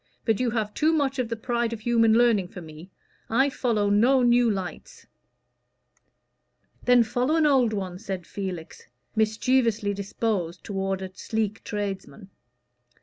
But you have too much of the pride of human learning for me. I follow no new lights." "Then follow an old one," said Felix, mischievously disposed toward a sleek tradesman.